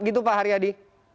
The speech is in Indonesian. gitu pak haryadi